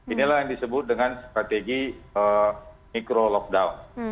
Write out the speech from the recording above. inilah yang disebut dengan strategi mikro lockdown